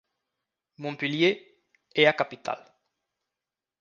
Montpellier é a capital.